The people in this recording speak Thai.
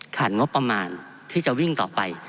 งบประมาณที่จะวิ่งต่อไป